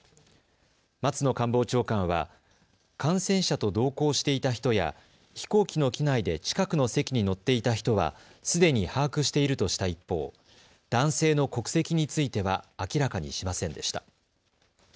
松野官房長官は感染者と同行していた人や飛行機の機内で近くの席に乗っていた人はすでに把握しているとした一方、男性の国籍については明らかにしませんでした。